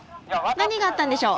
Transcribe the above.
何があったんでしょう？